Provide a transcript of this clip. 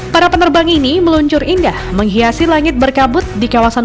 para penerbang ini meluncur indah menghiasi langit berkabut di kawasan